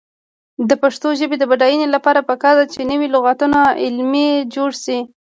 د پښتو ژبې د بډاینې لپاره پکار ده چې نوي لغتونه علمي جوړ شي.